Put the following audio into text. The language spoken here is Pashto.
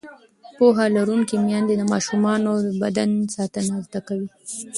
پوهه لرونکې میندې د ماشومانو د بدن ساتنه زده کوي.